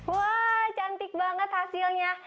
wah cantik banget hasilnya